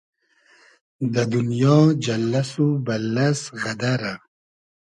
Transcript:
دۂ دونیا جئللئس و بئللئس غئدئرۂ